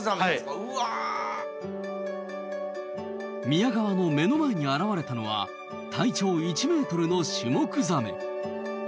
宮川の目の前に現れたのは体長１ｍのシュモクザメ。